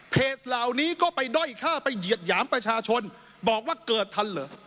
เหล่านี้ก็ไปด้อยฆ่าไปเหยียดหยามประชาชนบอกว่าเกิดทันเหรอ